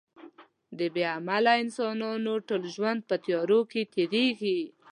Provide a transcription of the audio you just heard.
د بې علمه انسانانو ټول ژوند په تیارو کې تېرېږي.